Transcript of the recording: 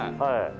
はい。